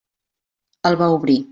El va obrir.